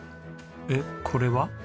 えっこれは？